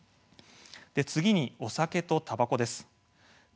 次に、お酒とたばこです。